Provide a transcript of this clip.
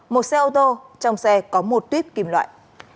một xe ô tô trong xe có một tuyếp kim loại